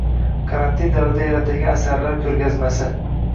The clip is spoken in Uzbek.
Karantin davrida yaratilgan asarlar koʻrgazmasi